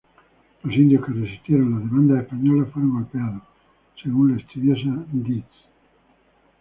Los indios que resistieron las demandas españolas fueron golpeados según la estudiosa Deeds.